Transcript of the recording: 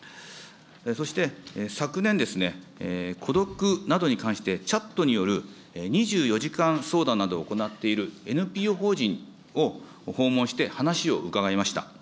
そして昨年、孤独などに関して、チャットによる２４時間相談などを行っているＮＰＯ法人を訪問して話を伺いました。